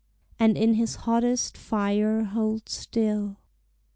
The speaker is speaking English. And in his hottest fire hold still.